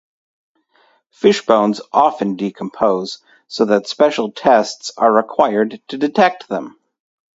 Fish bones often decompose so that special tests are required to detect them.